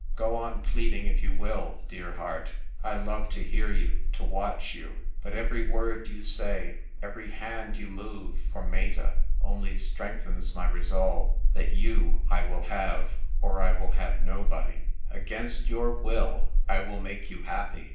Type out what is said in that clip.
Go on pleading if you will, dear heart ; I love to hear 3^ou, to watch you ; but 248 THE TYPE WRITER GIRL. every word you say, every hand you move, for Meta, only strengthens my resolve that you I will have, or I will have nobody. Against your will, I will make you happy."